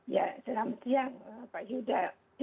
ya selamat siang pak yuda